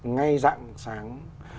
ngay dặn sáng